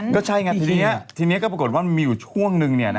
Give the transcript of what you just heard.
ก็ใช่หม่ะทีนี้ก็ปรากฏมีอยู่ช่วงหนึ่ง